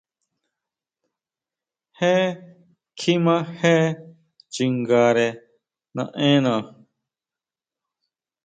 Je kjima jee chingare naʼenna.